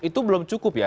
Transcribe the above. itu belum cukup ya